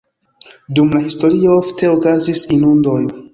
Dum la historio ofte okazis inundoj.